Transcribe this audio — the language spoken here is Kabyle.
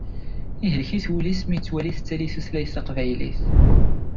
Ihlek-it wul-is mi yettwali tettali tutlayt taqbaylit.